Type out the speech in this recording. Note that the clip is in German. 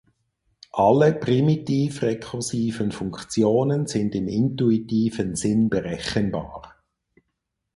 Alle primitiv-rekursiven Funktionen sind im intuitiven Sinn berechenbar.